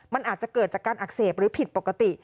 มันอาจจะเกิดจากการอักเสบหรือผิดปกติ